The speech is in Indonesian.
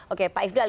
oke pak ifdal